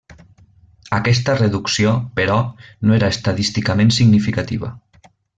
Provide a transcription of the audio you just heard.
Aquesta reducció, però, no era estadísticament significativa.